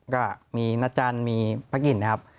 ก็มีนาจันทร์มีพระกินนะครับ